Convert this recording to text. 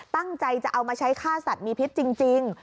ตั้งใจจะเอามาใช้ฆ่าสัตว์มีพิษจริง